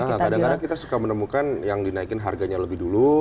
nah kadang kadang kita suka menemukan yang dinaikin harganya lebih dulu